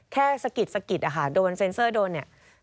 สะกิดสะกิดอะค่ะโดนเซ็นเซอร์โดนเนี่ย